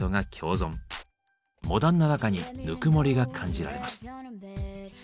モダンな中にぬくもりが感じられます。